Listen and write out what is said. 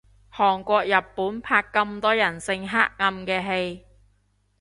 韓國日本拍咁多人性黑暗嘅戲